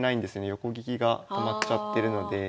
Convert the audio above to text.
横利きが止まっちゃってるので。